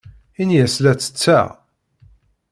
Ini-as la ttetteɣ.